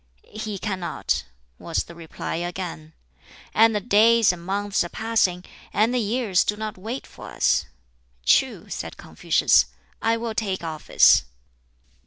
"He cannot," was the reply again. "And the days and months are passing; and the years do not wait for us." "True," said Confucius; "I will take office."